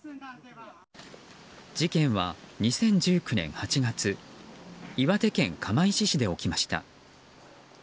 事件は、２０１９年８月岩手県釜石市で起きました。